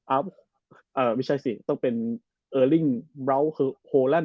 อ้าวไม่ใช่สิต้องเป็นเออริ่งบราวโพลัน